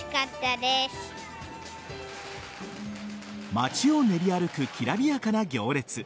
街を練り歩くきらびやかな行列。